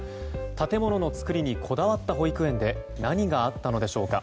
建物の造りにこだわった保育園で何があったのでしょうか。